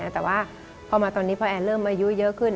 แต่ว่าพอมาตอนนี้พอแอนเริ่มอายุเยอะขึ้น